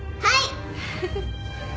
はい！